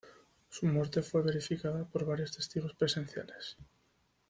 Su muerte fue verificada por varios testigos presenciales.